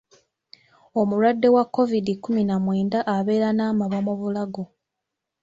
Omulwadde wa Kovidi kkumi na mwenda abeera n'amabwa mu bulago.